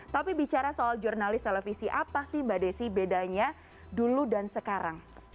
tapi bicara soal jurnalis televisi apa sih mbak desi bedanya dulu dan sekarang